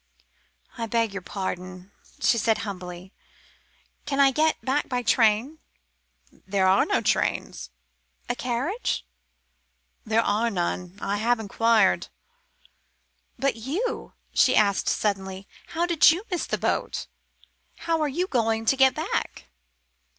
"I beg your pardon," she said humbly. "Can I get back by train?" "There are no trains." "A carriage?" "There are none. I have inquired." "But you," she asked suddenly, "how did you miss the boat? How are you going to get back?"